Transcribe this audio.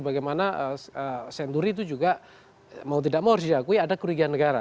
bagaimana senturi itu juga mau tidak mau harus diakui ada kerugian negara